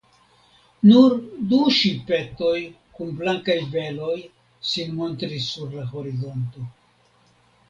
Nur du ŝipetoj kun blankaj veloj sin montris sur la horizonto.